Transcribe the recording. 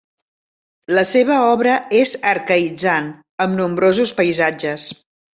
La seva obra és arcaïtzant amb nombrosos paisatges.